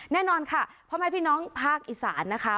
แน่นอนค่ะพ่อแม่พี่น้องภาคอีสานนะคะ